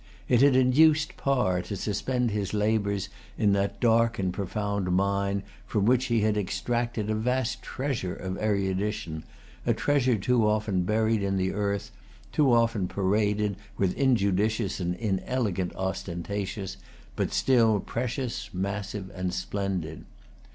It had induced Parr to suspend his labors in that dark and profound mine from which he had extracted a vast treasure of erudition, a treasure too often buried in the earth, too often paraded with injudicious and inelegant ostentation, but still precious, massive, and splendid.